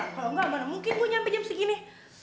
kalo gak mana mungkin gue nyampe jam segini